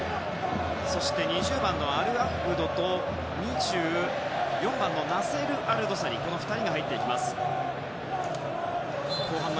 そして２０番のアルアブドと２４番のナセル・アルドサリの２人が入ってきます。